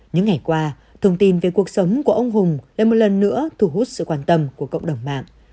những ngày qua thông tin về cuộc sống của ông hùng là một lần nữa thu hút sự quan tâm của cộng đồng mạng